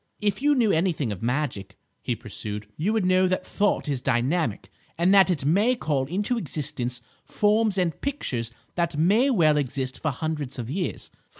"If you knew anything of magic," he pursued, "you would know that thought is dynamic, and that it may call into existence forms and pictures that may well exist for hundreds of years.